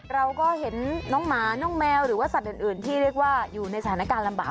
เราก็เห็นน้องหมาน้องแมวหรือว่าสัตว์อื่นที่เรียกว่าอยู่ในสถานการณ์ลำบาก